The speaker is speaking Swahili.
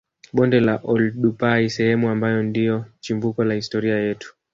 Bonde la Oldupai sehemu ambayo ndio chimbuko la historia yetu